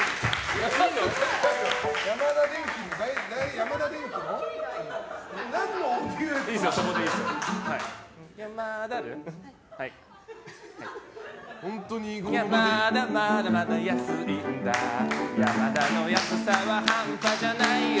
ヤマダ、まだまだ安いんだヤマダの安さは半端じゃないよ